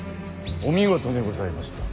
お見事でございました。